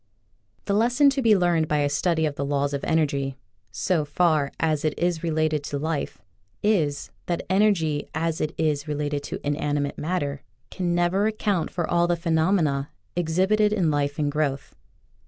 The lesson to be learned by a study of the laws of energy — so far as it is related to life — is, that energy as it is related to inanimate matter can never account for all the phe nomena exhibited in life and growth.